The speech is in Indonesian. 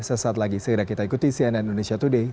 sesaat lagi segera kita ikuti cnn indonesia today